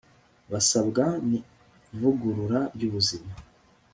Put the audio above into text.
basabwa ni vugurura ryubuzima